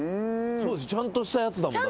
ちゃんとしたやつだもん。